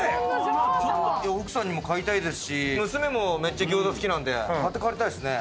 奥さんにも買いたいですし娘もめっちゃ餃子好きなんで買って帰りたいですね。